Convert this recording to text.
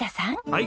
はい。